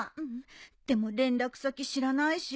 でも連絡先知らないし。